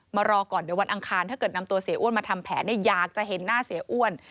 รอก่อนเดี๋ยววันอังคารถ้าเกิดนำตัวเสียอ้วนมาทำแผนอยากจะเห็นหน้าเสียอ้วน